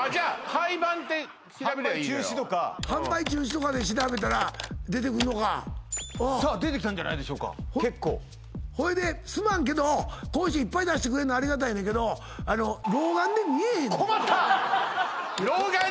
販売中止とか販売中止とかで調べたら出てくんのかさあ出てきたんじゃないでしょうか結構ほいですまんけどこうしていっぱい出してくれんのありがたいねんけど困った！